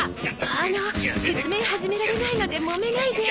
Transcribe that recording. あの説明始められないのでもめないで。